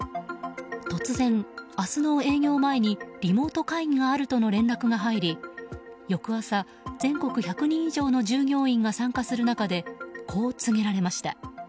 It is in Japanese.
突然、明日の営業前にリモート会議があるとの連絡が入り翌朝、全国１００人以上の従業員が参加する中でこう告げられました。